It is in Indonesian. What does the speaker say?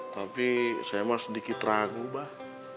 tapi saya emang sedikit ragu bah